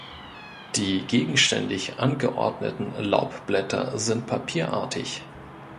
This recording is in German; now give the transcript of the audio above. Die gegenständig angeordneten Laubblätter sind papierartig.